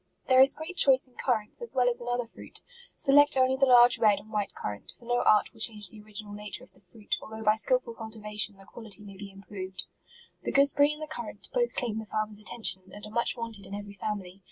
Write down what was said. There is great choice in currants, as well as in other fruit ; select only the large red and white currant, for no art will change the original nature of the fruit, although by skil ful cultivation, the quality may be improved. The gooseberry and the currant both claim the farmer's attention, and are much wanted in every family.